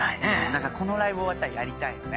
だからこのライブ終わったらやりたいよね。